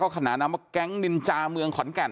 ขนานนามว่าแก๊งนินจาเมืองขอนแก่น